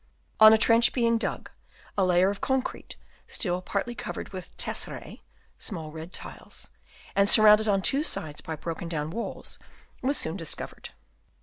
On a trench being dug, a layer of concrete, still partly covered with tesserae (small red tiles), and surrounded on two sides by broken down walls, was soon discovered.